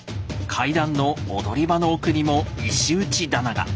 階段の踊り場の奥にも石打棚が。